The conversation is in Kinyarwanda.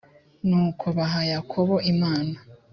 nuko baha yakobo imana